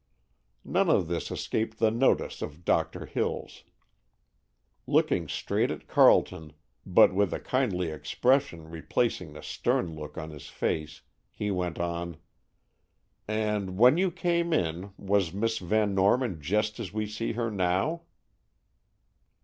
None of this escaped the notice of Doctor Hills. Looking straight at Carleton, but with a kindly expression replacing the stern look on his face, he went on: "And when you came in, was Miss Van Norman just as we see her now?"